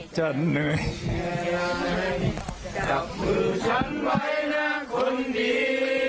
จับมือฉันไว้ณคนดี